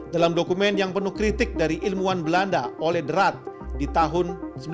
dalam dokumen yang penuh kritik dari ilmuwan belanda oled rad di tahun seribu sembilan ratus dua belas